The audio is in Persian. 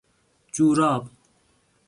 جوراب